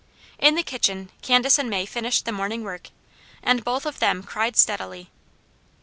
In the kitchen Candace and May finished the morning work, and both of them cried steadily.